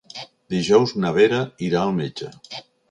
Dijous na Vera irà al metge.